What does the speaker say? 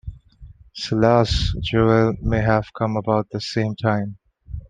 Silas Jewell may have come about the same time.